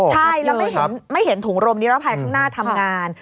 ใช่แล้วไม่เห็นถุงรมนิรภัยข้างหน้าทำงาน